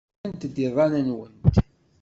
Rremt-d iḍan-nwent.